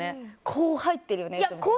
こう入ってるよね、いつも。